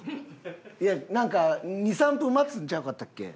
いやなんか２３分待つんちゃうかったっけ？